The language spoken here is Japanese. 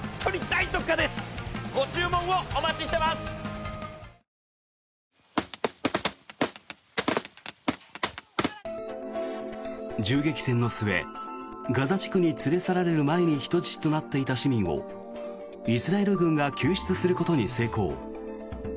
ハマスはガザへの空爆の報復として銃撃戦の末ガザ地区に連れ去られる前に人質となっていた市民をイスラエル軍が救出することに成功。